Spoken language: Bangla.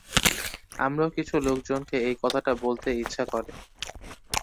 আমারও কিছু লোকজনকে এই কথাটা বলতে ইচ্ছে করে।